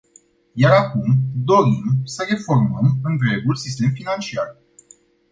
Iar acum dorim să reformăm întregul sistem financiar.